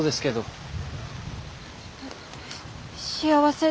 幸せ？